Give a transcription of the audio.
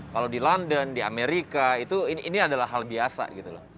kalau di london di amerika ini adalah hal biasa gitu loh